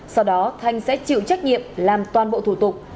sau đó thanh sẽ chịu trách nhiệm làm toàn bộ thủ tục